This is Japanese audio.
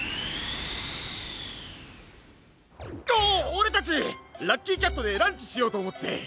オオレたちラッキーキャットでランチしようとおもって。